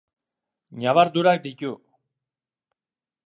Ñabardurak ditu.